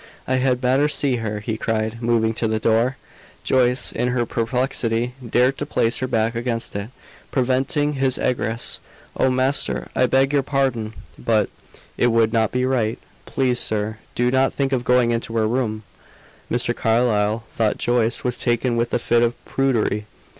I had better see her," he cried, moving to the door. Joyce, in her perplexity, dared to place her back against it, preventing his egress. "Oh, master! I beg your pardon, but it would not be right. Please, sir, do not think of going into her room!" Mr. Carlyle thought Joyce was taken with a fit of prudery.